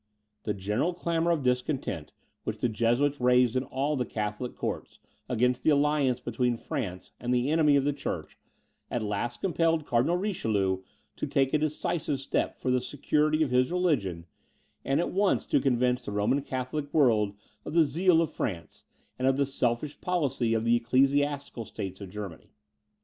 The general clamour of discontent which the Jesuits raised in all the Catholic courts, against the alliance between France and the enemy of the church, at last compelled Cardinal Richelieu to take a decisive step for the security of his religion, and at once to convince the Roman Catholic world of the zeal of France, and of the selfish policy of the ecclesiastical states of Germany.